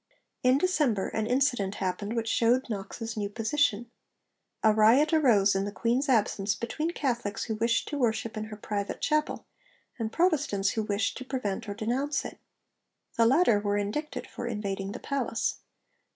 In December an incident happened which shewed Knox's new position. A riot arose in the Queen's absence between Catholics who wished to worship in her private chapel and Protestants who wished to prevent or denounce it. The latter were indicted for 'invading' the palace.